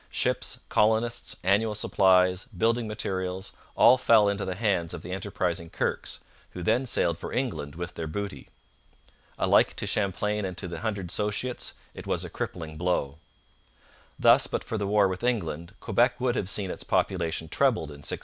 Ships, colonists, annual supplies, building materials all fell into the hands of the enterprising Kirkes, who then sailed for England with their booty. Alike to Champlain and to the Hundred Associates it was a crippling blow. Thus, but for the war with England, Quebec would have seen its population trebled in 1628.